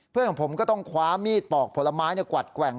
เพื่อนของผมก็ต้องคว้ามีดปอกผลไม้กวัดแกว่ง